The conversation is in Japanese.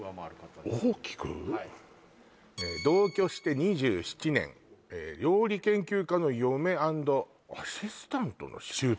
はい「同居して２７年」「料理研究家の嫁＆アシスタントの舅」